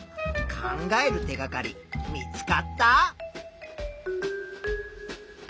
考える手がかり見つかった？